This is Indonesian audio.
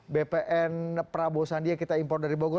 bpn prabowo sandia kita impor dari bogor